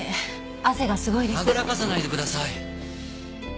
はぐらかさないでください！